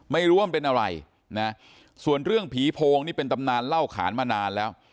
ไม่รู้ว่ามันเป็นอะไรนะส่วนเรื่องผีโพงนี่เป็นตำนานเล่าขานมานานแล้ว